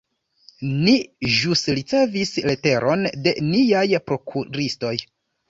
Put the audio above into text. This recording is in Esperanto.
Ni ĵus ricevis leteron de niaj prokuristoj.